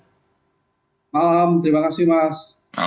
selamat malam terima kasih mas